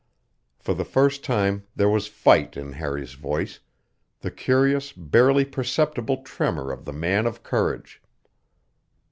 For the first time there was fight in Harry's voice; the curious, barely perceptible tremor of the man of courage.